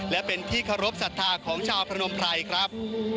และเป็นที่เคารพสัทธาของชาวพนมไพรครับ